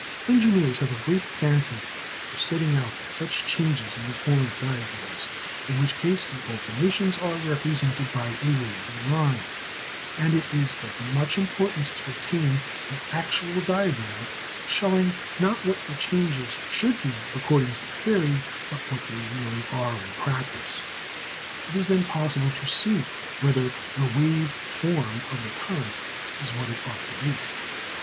Engineers have a great fancy for setting out such changes in the form of diagrams, in which case the alternations are represented by a wavy line, and it is of much importance to obtain an actual diagram showing not what the changes should be according to theory, but what they really are in practice. It is then possible to see whether the "wave form" of the current is what it ought to be.